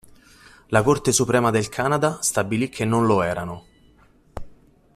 La Corte Suprema del Canada stabilì che non lo erano.